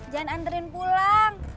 jangan anderin pulang